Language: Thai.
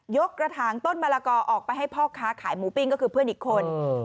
กระถางต้นมะละกอออกไปให้พ่อค้าขายหมูปิ้งก็คือเพื่อนอีกคน